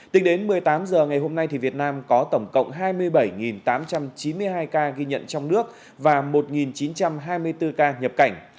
tính đến một mươi tám h ngày hôm nay việt nam có tổng cộng hai mươi bảy tám trăm chín mươi hai ca ghi nhận trong nước và một chín trăm hai mươi bốn ca nhập cảnh